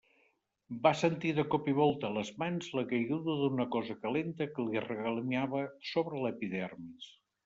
Va sentir de colp i volta a les mans la caiguda d'una cosa calenta que li regalimava sobre l'epidermis.